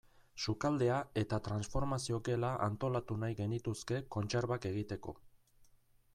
Sukaldea eta transformazio gela antolatu nahi genituzke kontserbak egiteko.